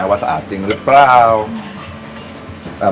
ว่าสะอาดจริงหรือเปล่า